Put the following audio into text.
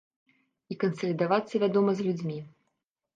І кансалідавацца, вядома, з людзьмі.